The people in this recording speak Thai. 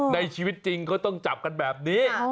ในชีวิตจริงก็ต้องจับกันแบบนี้